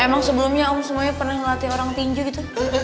emang sebelumnya om semuanya pernah ngelatih orang tinju gitu